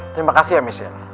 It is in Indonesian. terima kasih ya michelle